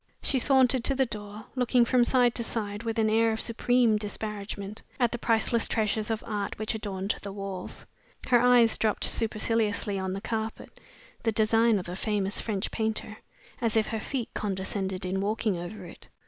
She sauntered to the door, looking from side to side, with an air of supreme disparagement, at the priceless treasures of art which adorned the walls. Her eyes dropped superciliously on the carpet (the design of a famous French painter), as if her feet condescended in walking over it.